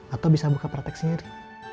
atau bisa buka pratek sendiri